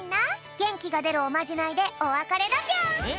げんきがでるおまじないでおわかれだぴょん！